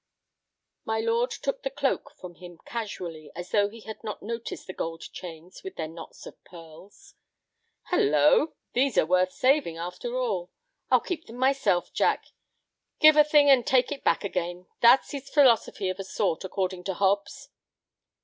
My lord took the cloak from him casually, as though he had not noticed the gold chains with their knots of pearls. "Hallo! these are worth saving, after all. I'll keep them myself, Jack. Give a thing, and take it back again. That is philosophy of a sort, according to Hobbs."